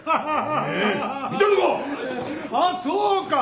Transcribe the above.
あっそうか！